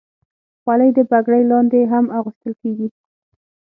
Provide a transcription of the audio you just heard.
خولۍ د پګړۍ لاندې هم اغوستل کېږي.